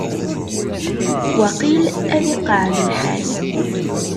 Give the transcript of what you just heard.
Waqil ad iqeɛɛed lḥal.